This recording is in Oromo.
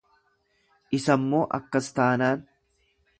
Isammoo akkas taanaan.